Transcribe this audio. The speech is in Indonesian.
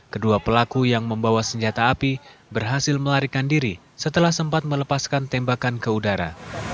kedua pelaku yang membawa senjata api berhasil melarikan diri setelah sempat melepaskan tembakan ke udara